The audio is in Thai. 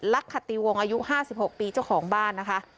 ลักคติวงอายุ๕๖ปีเจ้าของบ้านนะคะ